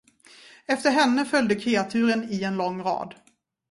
Efter henne följde kreaturen i en lång rad.